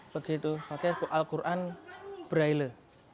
menggunakan al qur'an braille